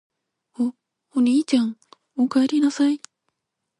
お、おにいちゃん・・・お、おかえりなさい・・・